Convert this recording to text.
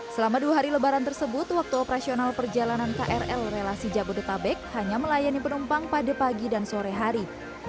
selama dua hari lebaran tersebut waktu operasional perjalanan krl relasi jabodetabek hanya melayani penumpang pada pagi dan sore hari